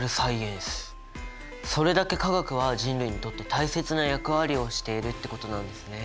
それだけ化学は人類にとって大切な役割をしているってことなんですね。